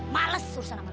males urusan amal